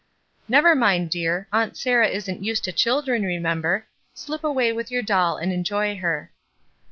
"Never mind, dear, Aunt Sarah isn't used to children, remember; slip away with yom* doll and enjoy her."